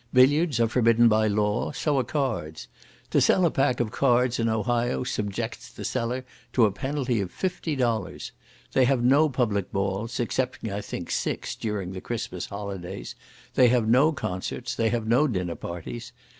Billiards are forbidden by law, so are cards. To sell a pack of cards in Ohio subjects the seller to a penalty of fifty dollars. They have no public balls, excepting, I think, six, during the Christmas holidays. They have no concerts. They have no dinner parties.